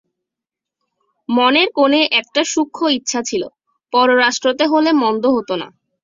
মনের কোণে একটা সূক্ষ্ম ইচ্ছা ছিল, পররাষ্ট্রতে হলে মন্দ হতো না।